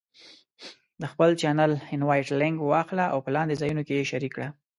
د خپل چینل Invite Link واخله او په لاندې ځایونو کې یې شریک کړه: